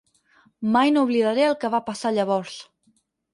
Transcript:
«Mai no oblidaré el que va passar llavors.